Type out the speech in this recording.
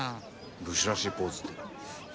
武士らしいポーズって？